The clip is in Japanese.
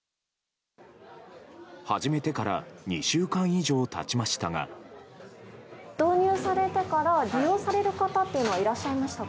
始めてから２週間以上たちま導入されてから、利用される方っていうのはいらっしゃいましたか？